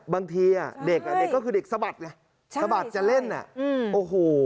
บางทีเด็กก็คือเด็กสะบัดเนี่ยสะบัดจะเล่นอืมโอ้โห